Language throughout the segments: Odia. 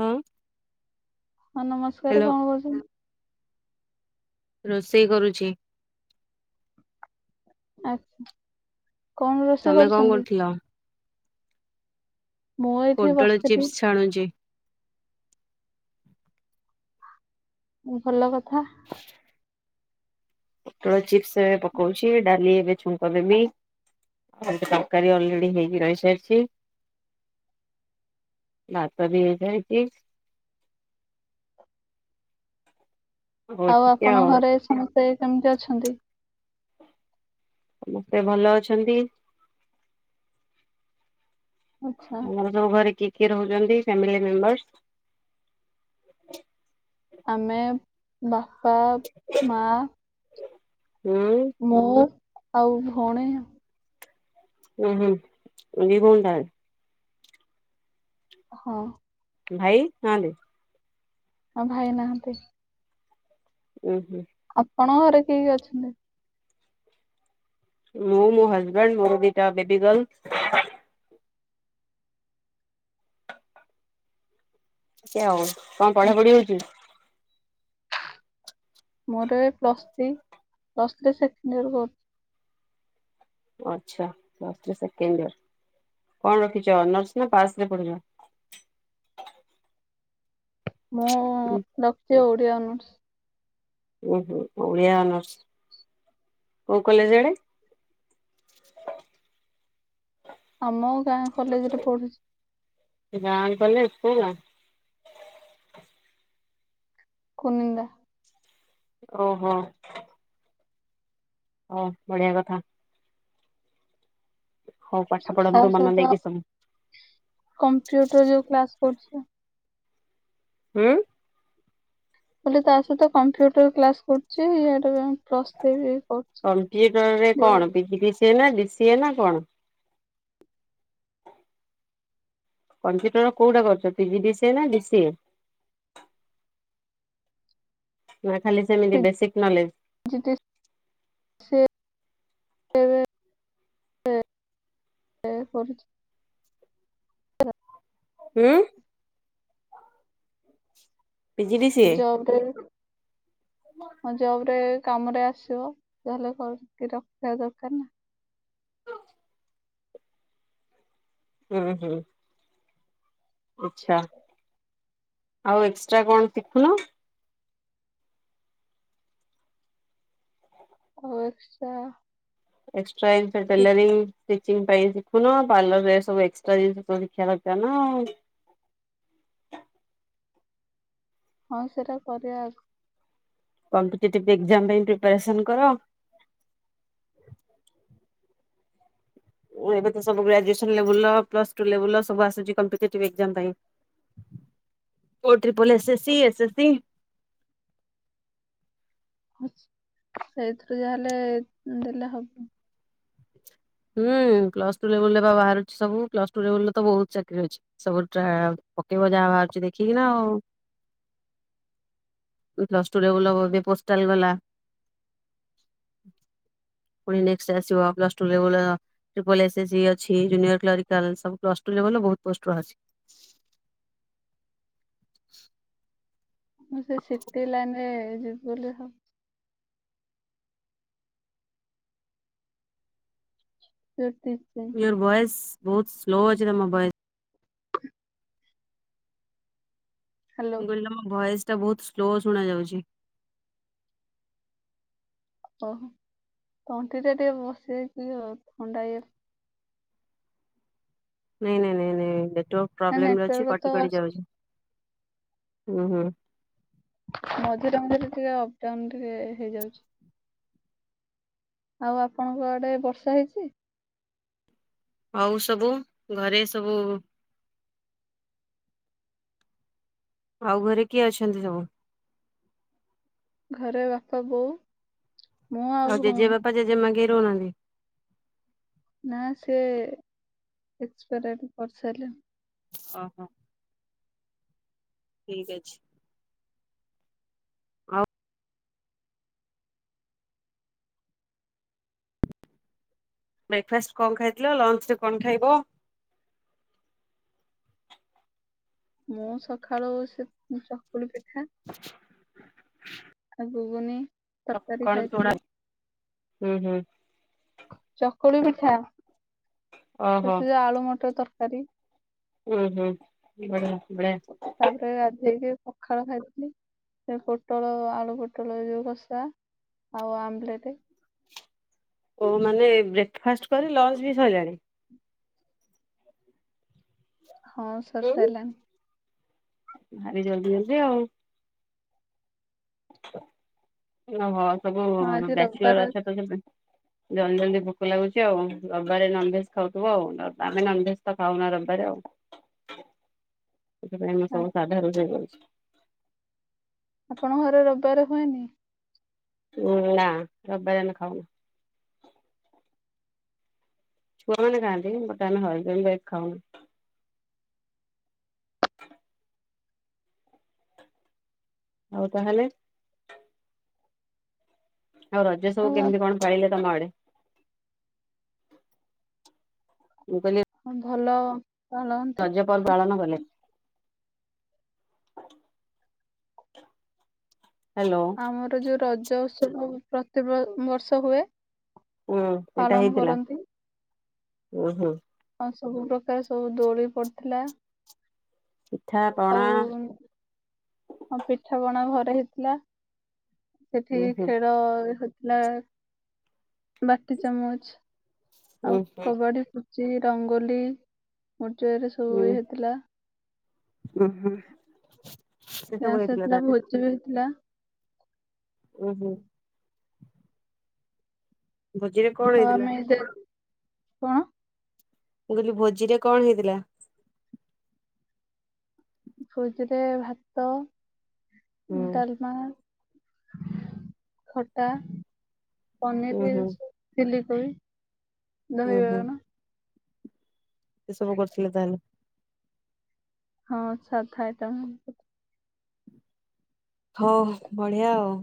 ହଁ। ହଁ, ନମସ୍କାର। ହ୍ୟାଲୋ କଣ କରୁଛନି? ରୋଷେଇ କରୁଛି। ଆଛା। କଣ ରୋଷେଇ ତମେ କଣ କରୁଛନ୍ତି? କରୁଥିଲ ମୁଁ ଏଇଠି ପୋଟଳ ଚିପ୍ସ ବସିଥିଲି ଛାଣୁଛି। ଭଲ କଥା। ପୋଟଳ ଚିପ୍ସ ଏବେ ପକଉଛି, ଡାଲି ଏବେ ଛୁଙ୍କ ଦେବି। କାଲିଠୁ ତରକାରୀ ଅଲରେଡି ହେଇକି ରହିସାରିଚି। ଭାତ ବି ହେଇ ଯାଇଛି। ହଉ ଆଉ ଏତିକି ଆପଣଙ୍କ ଘରେ ସମସ୍ତେ କେମିତି ଅଛନ୍ତି? ସମସ୍ତେ ଭଲ ଅଛନ୍ତି। ଆଚ୍ଛା ଆମର ଯେଉଁ ଘରେ କି କିଏ ରହୁଛନ୍ତି ଫ୍ୟାମିଲି ମେମ୍ବର। ଆମେ ବାପା ମା। ହୁଁ ମୋ ଆଉ ଭଉଣୀ ଆଉ। ହଁ ହୁଁ ଦି ଭଉଣୀ ତା ହେଲେ? ହଁ। ଭାଇ ନାନ୍ତି? ଆଉ ଭାଇ ନାହାନ୍ତି। ହୁଁ। ଆପଣ ଙ୍କ ଘରେ କିଏ କିଏ ଅଛନ୍ତି? ମୁଁ ମୋ ହଜବେଣ୍ଡ, ମୋର ଦିଟା ବେବି ଗର୍ଲ। ଏମିତି ଆଉ କଣ ପଢାପଢି ଆଚ୍ଛା ହେଇଛି? ମୋର plus three, plus three second year କରୁଛି। ଆଛା ପ୍ଲସ ଥ୍ରୀ ସେକଣ୍ଡ ୟର। କଣ ରଖିଛ ଅନର୍ସ ନା ପାସରେ ରେ ପଡ଼ିଚ। ମୁଁ ରକିଚି ଓଡିଆ ଅନସ୍। ଓୁ ହୁଁ ଓଡିଆ ଅନର୍ସ କୋଉ କଲେଜ ଆଡେ। [unintelligible] ଆମ ଗାଁ କଲେଜ ରେ ପଢୁଛି। ଗାଁ ରେ କଲେଜ କଉ ଗାଁ? କୁନିନ୍ଦା ଓହୋ। ଓ ବଢିଆ କଥା। ହଉ ପାଠ ତା ପଢ଼ନ୍ତୁ ମନ ସହିତ ଦେଇକି ସବୁ କମ୍ପ୍ୟୁଟର ଯୋଉ କ୍ଲାସ କରୁଛି। ହୁଁ। ବୋଲି ତା ସହିତ କମ୍ପ୍ୟୁଟର କ୍ଲାସ କରୁଛି। ଇଆଡେ ପ୍ଲସ୍ ଥ୍ରୀ ବି କରୁଛି। କମ୍ପ୍ୟୁଟରରେ କଣ P G D C A, ନା ଡି ସି ଏ ନା କଣ? କମ୍ପ୍ୟୁଟର କୋଉଟା କରିଛ ପିଜି ଡି ସି ଏ ନା ଡି ସି ଏ? ନା ଖାଲି ସେମିତି basic knowledge. G T S ସେ [unintelligible] ପଡୁଚି। ହୁଁ। PG D CA. Job grade. ହଁ ଜବ୍ ରେ କାମ ରେ ଆସିବ ତାହେଲେ [unintelligible] ରଖିଥିବା ଦରକାର ନା। ହୁଁ ହୁଁ। ଆଛା ଆଉ ଏକ୍ସଟ୍ରା କଣ ଶିଖୁନ? ହଉଚିପା। ଏକ୍ସଟ୍ରାଇପେ ଦେଲେନି? ପାଇଁ ଶିଖୁନ ପାର୍ଲରରେ ସବୁ ଏକ୍ ଟ୍ରା ଜିନିଷ ଶିଖିବା ଦରକାର ନା। ହ ହଁ ସେଟା କରିବା ଆଗ କମ୍ ପିଟେଟି ପ୍ ଏଗ୍ ଜ। ମ୍ ପାଇଁ ପ୍ରିପେରେସନ୍ କର। ଏବେ ତ ସବୁ ଗ୍ରାଜୁଏସନେବ ଲେବେଲ୍‌ ପ୍ରଲସ୍‌ ଟୁଲେବେଲ୍‌ ସବୁ ଆସୁଛି କମ ପିଟେଟି ଏ ଗ ଜାମ୍ ଦବା ପାଇଁ। ଓ ତ୍ରିପଅଲ୍ ଏସ୍ ଏସ୍ସି ଏସ୍ ଏସ୍ସି। ସେଇଥିରୁ ଯାହେଲେ ଦେଲେ ହେବ। ହୁଁ ପ୍ଲସଟୁ ଲେବୁଲରେ ବାହାରୁଛି ସବୁ ପ୍ଲସ ଟୁ ଲେବୁଲରେ ତ ବହୁତ ଚାକିରି ଅଛି ସବୁ ପକେଇବ ଯାହା ବାହାରୁଛି ଦେଖିକିନା ଆଉ। ପ୍ଲସ୍‌ଟୁୁ ଲେବୁଲର ଏବେ ପୋଷ୍ଟାଲ ଗଲା। ପୁଣି ନେକ୍ସଟ୍ଆସିବ ପ୍ଲସ୍‌ ଟୁ। [unintelligible] ବହୁ ପୋଷ୍ଟ ର ଅଛି। [inaudible] ସେ ସିଟି ଲାଇନ ରେ ଯିବ ବୋଲି ଭାବୁଛି। ହୁଁ। ମୟୋର ଇୟର ଭଏସ୍ ସ୍‌ବଏସ ବହୁତ ସ୍ଲୋ ଅଛି ତମ ଭଏସ। ହ୍ୟାଲୋ ଗୁଲୁ ଭଏସ ଟା ବହୁତ ସ୍ଲୋ ଶୁଣାଯାଉଛି। ତଣ୍ଟି ଟା ଟିକେ ବସିଯାଇଛି ଆଉଟିକେ ବସେ କିଉ ଥଣ୍ଡା। ନାଇଁ ନାଇଁ ନାଇଁ ନାଇଁ ନେଟ ୱରକ ପ୍ରୋବ୍ଲେ ଲେମ ଅଛି ନେଟୱାର୍କ କଟି ତ କଟି ଯାଉଛି। ହୁଁ ହୁଁ। ମଝିରେ ମଝିରେ ଟିକେ ଅପ୍‌ଡାଉନ୍‌ଟିକେ ହେଇଯାଉଛି। ଆଉ ଆପଣଙ୍କ ଆଡେ ବର୍ଷା ହେଇଛି? ଆଉ ସବୁ ଘରେ ସବୁ ଆଉ ଘରେ କିଏ ଅଛନ୍ତି ସବୁ? ଘରେ ବାପା, ବୋଉ। ମୁଁ ଆଉ ଭଉଣୀ ଜେଜେବାପା ଜେଜେମା କେହି ରହୁନାହାନ୍ତି? ନା ସେ ଏକ୍ସେ ପେଇଆର ହେଇ ସାରିଲେଣି। ଓ ହୋ। ଠିକ୍ ଅଛି। ଆଉ ବ୍ରେକ୍ ଫାଷ୍ଟ କଣ ଖାଇଥିଲ ଲଞ୍ଚ ରେ କଣ ଖାଇବ? ମୁଁ ସକାଳୁ ସେ ଚକୁଳି ପିଠା। [inaudible] ଗୁଗୁନି। କଣ ତୁଣ? ହୁଁ ହୁଁ। ଚକୁଳି ପିଠା ଓହୋ ସେଥିରେ ଆଳୁ ମଟର ତରକାରୀ। ହୁଁ ହୁଁ ବଢିଆ। ବଢିଆ। ତାପରେ ରାତି ସେ କି ପଖାଳ ଖାଇଥିଲି ସେ ପୋଟଳ ଆଳୁ ପୋଟଳ ଯୋଉ କଷା। ଆଉ ଆମ୍ବଲେଟ। [inaudible] ମାନେ ବ୍ରେକ୍ଫାଷ୍ଟ କରି ଲଞ୍ଚ ବି ସରିଲାଣି। ହଁ ସରି ସାରିଲାଣି। ଭାରି ଜଲଦି ଜଲଦି ଆଉ। ଓହୋ ସବୁ ହଁ ଆଜି ରବିବାର ବାଚଲର୍ ଅଛ ତ ଜଲଦି ଜଲଦି ଭୋକ ଲାଗୁଛି ଆଉ ରବିବାରେ ନନ୍‌ଭେଜ ଖାଉଥିବ ଆଉ ଆମେ ନନ୍‌ଭେଜ ତ ଖାଉନା ରବିବାରେ ଆଉ। ଏ ସବୁ ଅଛି ସାଧାର ଅଛି। ଆପଣଙ୍କ ଘରେ ରବିବାର ହୁଏନି? ହଁ ନା ରବିବାରେ ଆମେ ଖାଉନୁ। ଛୁଆ ମାନେ ଖାଆନ୍ତି ବଟ ଆମେ ହଜବ୍ୟାଣ୍ଡ ଉଠାଇଲି ଖାଉନୁ। [inaudible] ଆଉ ତାହେଲେ ଆଉ ରଜ ସବୁ ଆଉ କେମିତି କଣ ପାଳିଲ ତମ ଆଡେ? ମୁଁ କହିଲି ହଁ ଭଲ ପାଳନ୍ତି। ରାଜ୍ୟପାଲ ପାଳନ କଲେ ହ୍ୟାଲୋ ଆମର ଯୋଉ ରଜ ଉତ୍ସବ ପ ପ୍ରତି ବ ବର୍ଷ ହୁଏ ହୁଁ ସେଇଟା ପାଳନ ହେଇଥିଲା କରନ୍ତି। ହ ହୁଁ। ଆଉ ସବୁ ପ୍ରକାର ସବୁ ଦୋଳି ପଡିଥିଲା। ପିଠାପଣା ହଁ ପିଠାପଣା ଘରେ ହେଇଥିଲା ସେଠି ଉଁ ହୁଁ ଖେଳ ହୋ ହେଲା ବାଟି ଚାମଚ ଉଁ ଆଉ ହୁଁ କବାଡ଼ି ଚି ରଙ୍ଗୋଲି ମୂର୍ଯ୍ୟ ରେ ସବୁ ଇଏ ହେଇଥିଲା ହ୍ନୁ ହୁ। ଡାନ୍ସ ହେଇଥିଲା ଭୋଜ ବି ହେଇଥିଲା ଉଁ ହୁଁ। ଭୋଜିରେ କଣ ଆଉ ହେଇଥିଲା? ଆମେ ଯେ- କଣ? ମୁଁ କହିଲି ଭୋଜିରେ କଣ ହେଇଥିଲା? ଭୋଜି ରେ ଭାତ ହୁଁ ଡାଲମା ଖଟା ଉଁ ପନିର ହୁଁ ଚି ଚିଲି ହ ଦହି ବାଇଗଣ ସେ ସବୁ କରିଥିଲେ ତାହେଲେ। ହଁ ସାଧା ଆଇଟମ। ହଉ ବଢିଆ ଆଉ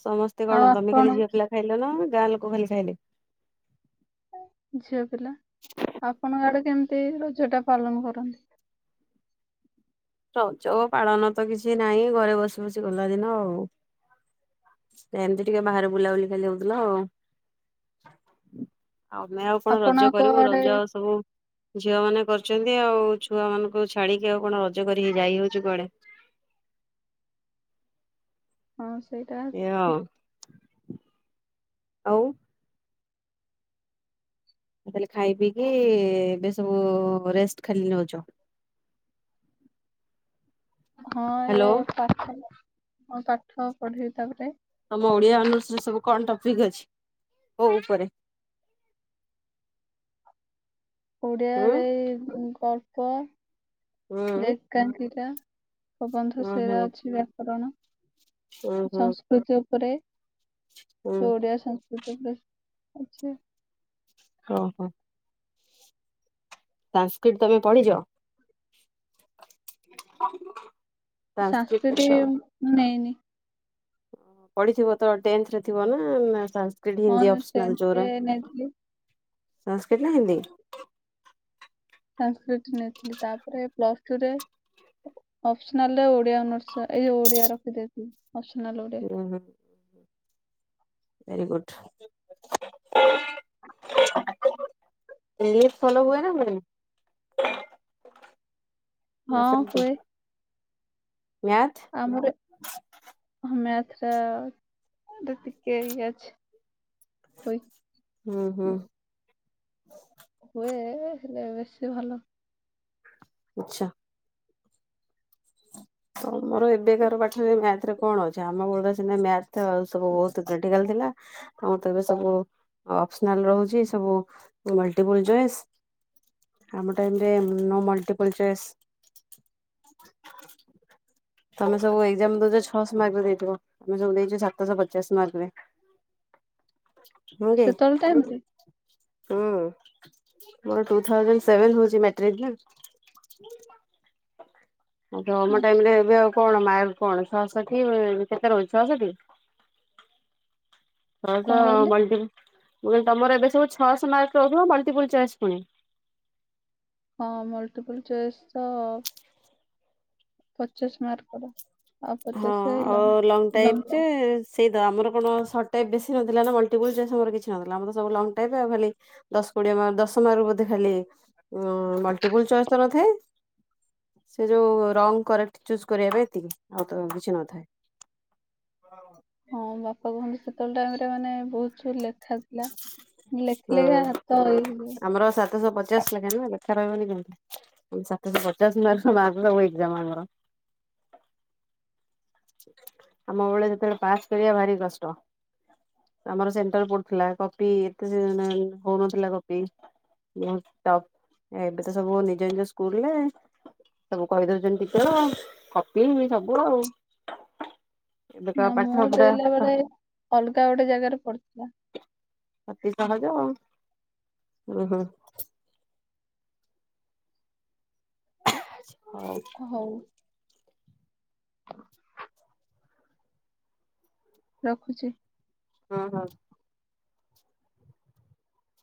ସମସ୍ତେ ଆଉ କଣ ତମେ ଖାଲି ଆପଣ ଝିଅ ପିଲା ଖାଇଲ ନା ଗାଁ ଲୋକ ଖାଲି ଖାଇଲେ? ଝିଅ ପିଲା ଆପଣଙ୍କ ଆଡେ କେମିତି ରଜ ଟା ପାଲନ କରନ୍ତି? ରଜ ପାଳନ ତ କିଛି ନାହିଁ ଘରେ ବସି ବସି ଗଲା ଦିନ ଆଉ। ଏମିତି ଟିକେ ବାହାରେ ବୁଲାବୁଲି ଖାଲି ହଉଥିଲା ଆଉ। ଆମେ ଆଉ କଣ ରଜ ଆପଣଙ୍କ କରିବୁ ଆଡେ ରଜ ସବୁ ଝିଅ ମାନେ କରୁଛନ୍ତି ତେ ଆଉ ଛୁ ମାନଙ୍କୁ ଛାଡିକି ଆଉ କଣ ରଜ ଜ କରି ଯାଇ ହଉଛିୁ କୁଆଡେ ହଁ ସେଇଟା ଏଇଆ ଆଉ। ଆଉ ତାହେଲେ ଖାଇ ପିଇକି ଏବେ ସବୁ ରେଷ୍ଟ ଖାଲି ନଉଚ? ହଁ ହ୍ୟାଲୋ ଏ ପାଠ ହଁ ପାଠ ପଢେଇ ତାପରେ ତମ ଓଡିଆ ଅନର୍ସ ରେ ସବୁ କଣ ଟପିକ ଅଛି କୋଉ ଉପରେ? ହୁଁ ଓଡିଆରେ ଏଇ ଗ ଗଳ୍ପ ହୁଁ ଏକାଙ୍କିକା ପ୍ରବନ୍ଧ ଉଁ ସେରା ହୁଁ ଅଛି ବ୍ୟାକରଣ ଉଁ ହୁଁ ସଂସ୍କୃତି ଉପରେ ଉଁ ଓଡ଼ିଆ ସଂସ୍କୃତି ଅଛି। ହ ହୋ। ସଂସ୍କ୍ରିଟ ତମେ ପଢିଛ? ସାଂସ୍କ୍ରିଟ ସଂସ୍କ୍ରିଟ ତ ମୁଁ ନେଇନି। ପଢିଥିବ ତ ଟେନ୍ଥରେ ଥିବ ନା ନା ସା ଟି ହିନ୍ଦୀ ହଁ ଅପସନାଲ ଟେନ୍ଥରେ ଯୌରା? ନେଇଥିଲି ସଂସ୍କ୍ରିଟ ନା ହିନ୍ଦୀ? ସଂସ୍କ୍ରିଟ ନେଇଥିଲି ତାପରେ ପ୍ଲସ ଟୁରେ ଅପସନାଲରେ ଓଡିଆ ଅନର୍ସ ଏଇ ଯୋଉ ଓଡିଆ ରଖୀଦେଇଥିଲି ଅପସନାଲ ଓଡିଆ। ହୁଁ ହୁଁ ଭେରି ଗୁଡ୍ ଇଂଲିଶ ଭଲ ହୁଏ ନା ହୁଏନି? ହଁ ନା ସେମତି ହୁଏ। ମ୍ୟାଥ୍ ଆମର ହଁ ମ୍ୟା ର ହଁ ତ ଟିକେ ଇଏ ଅଛି। ହୁଏ ହୁଁ ହୁଁ। ହୁଏ ହେଲେ ବେଶି ଭଲ। ଆଚ୍ଛା। ତମର ଏବେ କାର ପାଠରେ ମ୍ୟାଥରେ କଣ ଅଛି ଆମ ବେଳରେ ସିନା ମ୍ୟାଥ ସବୁ ବହୁତ କ୍ରିଟିକାଲ ଥି ଲା ତମର ତ ଏବେ ସବୁ ଅପସନାଲ ରହୁଛି ସବୁ ମଲଟିପୁଲ ଚଏସ। ଆମ ଟାଇମ ରେ ନୋ ମଲଟିପୁଲ ଚଏସ୍। ତମେ ସବୁ ଏକ୍ଜାମ ଦଉଚ ଛଅଶହ ମାର୍କର ଦେଇ ଥିବ ଆମେ ସବୁ ଦେଇଛୁ ସାତଶହ ପଚାଶ ମାର୍କରେ। ହୁଁ କି ସେତେବେଳେ ଟାଇମ ରେ ହୁଁ। ମୋର ଟୁ ଥାଉଜେଣ୍ଡ ସେଭେନ ହଉଛି ମ୍ୟାଟ୍ରିକ ନା। ଆ। ଆଚ୍ଛା, ଟାଇମ ରେ ଏବେ ଆଉ କଣ ମାର୍କ କଣ ଛଅଷଠି ବ କେତେ ରହୁଛି ଛଅଷଠି। କଣ ଛଅଶହ କହିଲେ ମଲଟିକୁ। ମୁଁ କହିଲି ତମର ଏବେ ସବୁ ଛଅଶହ ମାର୍କ ରହିବ ମଲଟିପୁଲ ଚଏସ ପୁଣି। ହଁ ମଲ୍ଟିପୁଲ ଚଏସ ତ ପଚାଶ ମାର୍କର। ହଁ ଆଉ ଲଙ୍ଗ ଟାଇପ ଯେ ସେଇ ଦ ଆମର। ନ ସଟ୍ ଟାଇପ୍ ବେଶି ନଥିଲା ନା ମଲ୍ଟିପଲ ଚଏସ ଆମର କିଛି ନଥିଲା ଆମର ସବୁ ଲଙ୍ଗ ଟାଇପ୍ ଆଉ ଖାଲି ଦଶ କୋଡିଏ ମାର୍କ ଦଶ ଦଶ ମାର୍କ ବୋଧେ ଖାଲି ଉଁ ମଲଟିପୁଲ ଚଏସ୍ ନଥାଏ। ସେ ଯୋଉ ରଙ୍ଗ କରେକ୍ଟ ଚୁଜ କରିବା ପାଇଁ ଏତିକି। ଆଉ ତ କିଛି ନଥାଏ। ହଁ ବାପା କୁହନ୍ତି ସେତେବେଳେ ଟାଇମରେ ମାନେ ବହୁତ ବି ଲେଖା ଥିଲା। ଲେଖି ହଁ ଲେଖା ହାତ ଇଏ ଆ ହେଇଯିବ। ଆମର ସାତଶହ ପଚାଶ ଲେଖାଏ ନୁହ କି। ଖା ରହିବନି କେମିତି ଉଁ ସାତ ଶହ ପଚାଶ ମାର୍କ ମାର୍କ ର ସବୁ ଏକ୍ଜାମ ଆମର। [inaudible] ଆମ ବେଳେ ସେତେବେଳେ ପାସ୍ କରିବା ଭାରି କଷ୍ଟ। ଆମର ସେଣ୍ଟର ପଡୁଥିଲା କପି ଏତେ [unintelligible] ହଉନଥିଲା କପି। ବହୁତ ଟପ ଏବେ ତ ସବୁ ନିଜ ନିଜ ସ୍କୁଲରେ। ସବୁ କହିଦଉଛନ୍ତି ଟିଚର କପି ବି ସବୁ ଆଉ। ଏବେକା ନା ମୁଁ ପାଠ ପୁରା ଦେଲା ବେଳେ ଅଲଗା ଗୋଟେ ଜାଗାରେ ପଡିଥିଲା। ଅତି ସହଜ ଉଁ ହୁଁ। ହା ଖ ହଉ। ରଖୁଛି। ହଁ ହଁ।